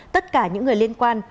tất cả những người liên quan